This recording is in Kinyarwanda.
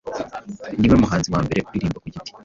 Ni we muhanzi wa mbere uririmba ku giti